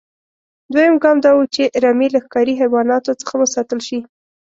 دویم ګام دا و چې رمې له ښکاري حیواناتو څخه وساتل شي.